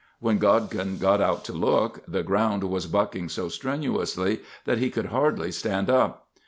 When Godkin got out to look, the ground was bucking so strenuously that he could hardly stand up.